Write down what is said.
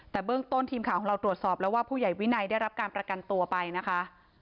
แต่เบื้องต้นทีมข่าวของเราตรวจสอบแล้วว่าผู้ใหญ่วินัยได้รับการประกันตัวไปนะคะ